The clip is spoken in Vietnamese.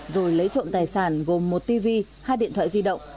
rồi lấy trộm tài sản gồm một tv hai điện thoại di động